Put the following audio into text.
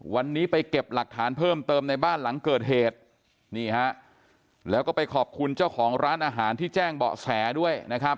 วันนี้ไปเก็บหลักฐานเพิ่มเติมในบ้านหลังเกิดเหตุนี่ฮะแล้วก็ไปขอบคุณเจ้าของร้านอาหารที่แจ้งเบาะแสด้วยนะครับ